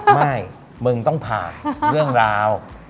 ไม่มึงต้องผ่านเรื่องราว